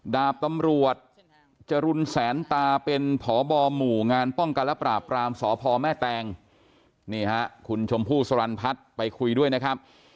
ดาบตำรวจจรุลแสนตาเป็นพบหมู่งานป้องกันและปราบรามสพแม่แตงนี่ฮะคุณชมพู่สรรพัฒน์ไปคุยด้วยนะครับ